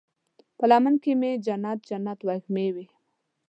په لمن کې مې جنت، جنت وږمې وی